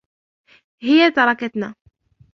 هي تركتنا.